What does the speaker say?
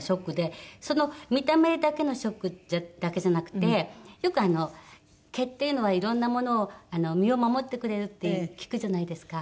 その見た目だけのショックだけじゃなくてよくあの毛っていうのはいろんなものを身を守ってくれるって聞くじゃないですか。